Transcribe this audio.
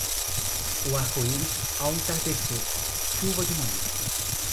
O arco-íris ao entardecer, chuva de manhã.